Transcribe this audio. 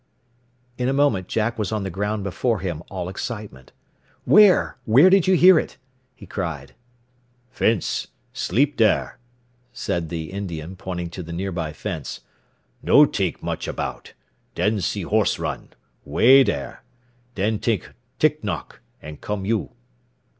In a moment Jack was on the ground before him, all excitement. "Where? Where did you hear it?" he cried. "Fence. Sleep dar," said the Indian, pointing to the nearby fence. "No t'ink much about. Den see horse run way dar. Den t'ink tick knock, an' come you."